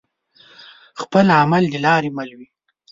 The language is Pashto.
خپل عمل دلاري مل وي